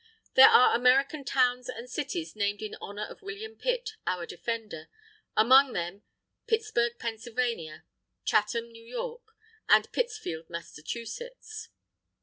There are American towns and cities named in honour of William Pitt, our Defender; among them, Pittsburgh, Penn.; Chatham, N. Y.; and Pittsfield, Mass.